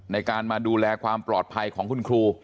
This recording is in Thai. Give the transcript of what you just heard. ในการมาดูแลความปลอดภัยของคุณครู